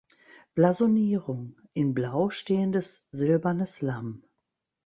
Blasonierung: "In Blau stehendes silbernes Lamm.